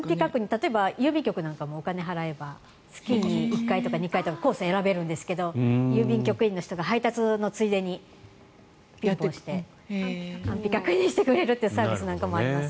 例えば郵便局なんかもお金を払えば月に１回とか２回とかコースを選べるんですが郵便局員の方が配達のついでにピンポン押して安否確認してくれるというサービスなんかもあります。